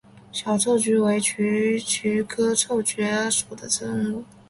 小臭鼩为鼩鼱科臭鼩属的动物。